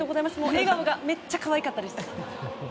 笑顔がめっちゃ可愛かったです。